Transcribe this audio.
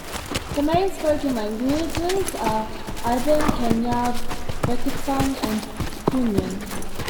The main spoken languages are Iban, Kenyah, Beketan and Punan.